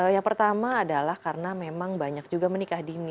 yang pertama adalah karena memang banyak juga menikah dini